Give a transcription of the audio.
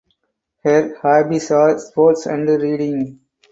Her hobbies are sports and reading.